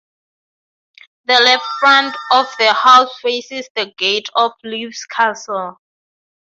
The left front of the house faces the gate of Lewes Castle.